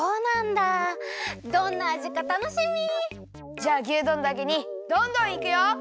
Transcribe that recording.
じゃあ牛丼だけにどんどんいくよ！